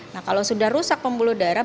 nah kalau sudah rusak pembuluh darah